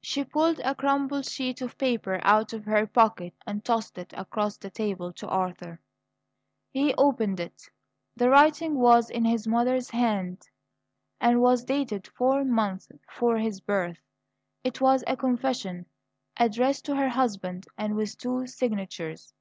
She pulled a crumpled sheet of paper out of her pocket and tossed it across the table to Arthur. He opened it; the writing was in his mother's hand, and was dated four months before his birth. It was a confession, addressed to her husband, and with two signatures.